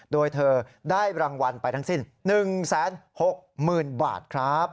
โดยเธอได้รางวัลไปทั้งสิ้น๑๖๐๐๐บาทครับ